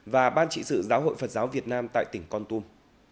và ban trị sự giáo hội phật giáo việt nam tại tỉnh con tum